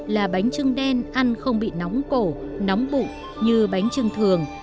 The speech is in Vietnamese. là bánh trưng đen ăn không bị nóng cổ nóng bụng như bánh trưng thường